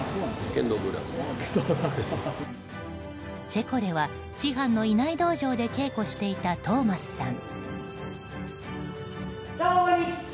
チェコでは、師範のいない道場で稽古していたトーマスさん。